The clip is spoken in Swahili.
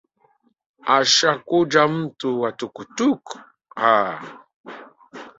Ashakuja mtu wa tuktuk? Ah!